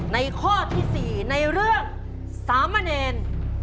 ในข้อที่๔ในเรื่องสามเงิน